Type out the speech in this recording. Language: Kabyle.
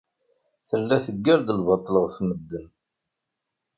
Tella teggar-d lbaṭel ɣef medden.